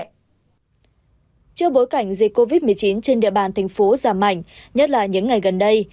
trước bối cảnh dịch covid một mươi chín trên địa bàn thành phố giảm mạnh nhất là những ngày gần đây